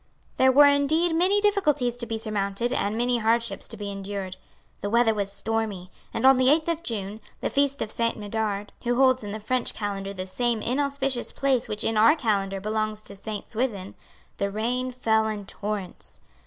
There were indeed many difficulties to be surmounted and many hardships to be endured. The weather was stormy; and, on the eighth of June, the feast of Saint Medard, who holds in the French Calendar the same inauspicious place which in our Calendar belongs to Saint Swithin, the rain fell in torrents.